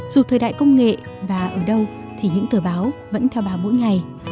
dù thời đại công nghệ và ở đâu thì những tờ báo vẫn theo bà mỗi ngày